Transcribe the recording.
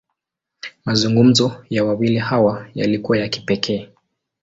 Mazungumzo ya wawili hawa, yalikuwa ya kipekee.